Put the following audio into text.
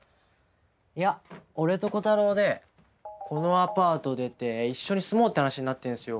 いや俺とコタローでこのアパート出て一緒に住もうって話になってるんすよ。